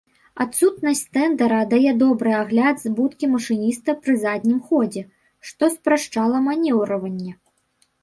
Адсутнасць тэндара дае добры агляд з будкі машыніста пры заднім ходзе, што спрашчала манеўраванне.